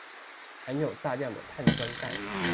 含有大量的碳酸鈣